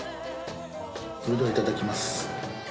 それではいただきます。